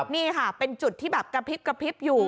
นี่ค่ะเป็นจุดที่แบบกระพริบกระพริบอยู่